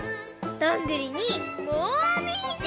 どんぐりにもみじ！